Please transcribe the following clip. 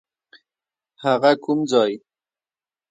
هغه کوم ځای؟